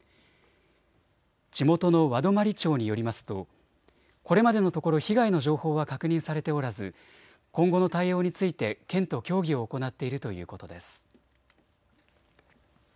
地元の和泊町によりますとこれまでのところ、被害の情報は確認されておらず今後の対応について県と協議を行っているということです。